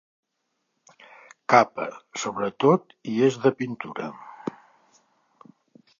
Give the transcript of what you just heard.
Capa, sobretot i és de pintura.